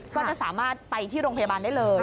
ก็จะสามารถไปที่โรงพยาบาลได้เลย